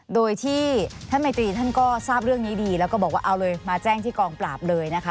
โดยที่ท่านมัยตรีท่านก็ทราบเรื่องนี้ดีแล้วก็บอกว่าเอาเลยมาแจ้งที่กองปราบเลยนะคะ